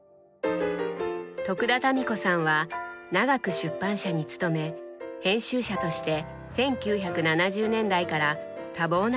田民子さんは長く出版社に勤め編集者として１９７０年代から多忙な日々を送りました。